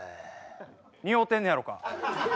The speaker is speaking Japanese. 似合うてんねやろか？